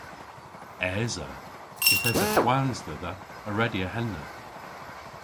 Esa. Yth esa hwans dhedha a redya henna.